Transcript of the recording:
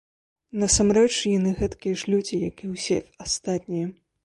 Насамрэч, яны гэткія ж людзі, як і ўсе астатнія!